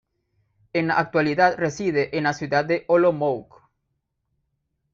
En la actualidad reside en la ciudad de Olomouc.